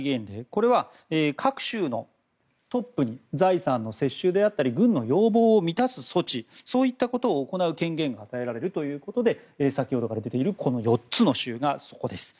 これは各州のトップに財産の接収であったり軍の要望を満たす措置そういったことを行う権限が与えられるということで先ほどから出ている４つの州がそこです。